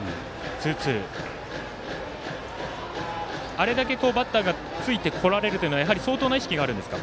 あれだけバッターがついてこられるということはやはり、相当な意識があるんですか？